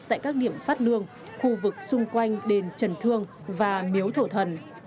tại các điểm phát lương khu vực xung quanh đền trần thương và miếu thổ thần